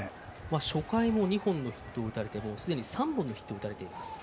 初回も２本のヒットを打たれてすでに３本のヒットを打たれています。